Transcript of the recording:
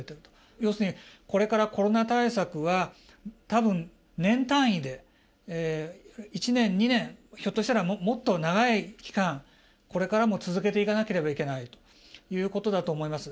要するに、これからコロナ対策は多分、年単位で１年、２年ひょっとしたらもっと長い期間これからも続けていかなければいけないということだと思います。